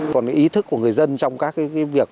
còn cái ý thức của người dân trong các cái việc